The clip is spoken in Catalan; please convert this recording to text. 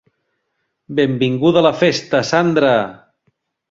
Benvinguda a la festa, Sandra!